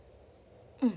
うん。